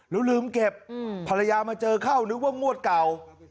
แล้วลืมเก็บภรรยามาเจอเข้านึกว่างวดเก่า